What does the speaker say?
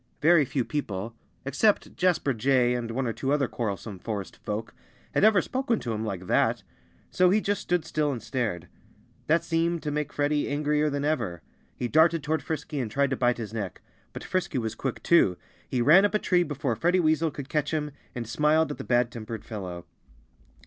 Very few people except Jasper Jay and one or two other quarrelsome forest folk had ever spoken to him like that. So he just stood still and stared. That seemed to make Freddie angrier than ever. He darted toward Frisky and tried to bite his neck. But Frisky was quick, too. He ran up a tree before Freddie Weasel could catch him, and smiled at the bad tempered fellow.